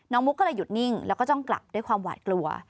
มุกก็เลยหยุดนิ่งแล้วก็จ้องกลับด้วยความหวาดกลัว